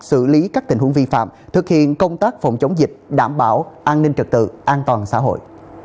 xử lý các tình huống vi phạm thực hiện công tác phòng chống dịch đảm bảo an ninh trật tự an toàn xã hội